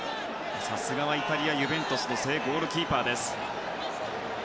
さすがはユベントスの正ゴールキーパーです。